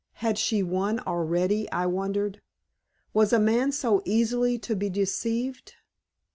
Had she won already, I wondered? Was a man so easily to be deceived?